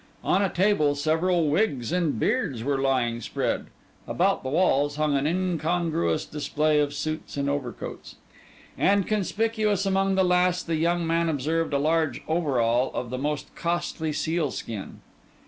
On a table several wigs and beards were lying spread; about the walls hung an incongruous display of suits and overcoats; and conspicuous among the last the young man observed a large overall of the most costly sealskin.